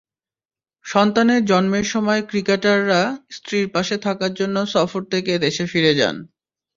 সন্তানের জন্মের সময় ক্রিকেটাররা স্ত্রীর পাশে থাকার জন্য সফর থেকে দেশে ফিরে যান।